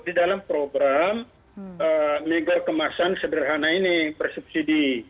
di dalam program minggu kemasan sederhana ini persubsidi